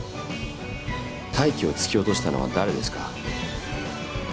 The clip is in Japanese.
泰生を突き落としたのは誰ですか？